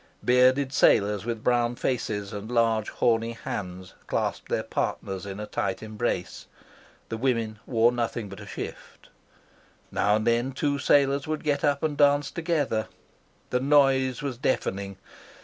Bearded sailors with brown faces and large horny hands clasped their partners in a tight embrace. The women wore nothing but a shift. Now and then two sailors would get up and dance together. The noise was deafening.